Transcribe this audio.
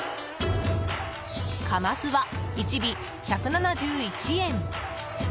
カマスは１尾１７１円。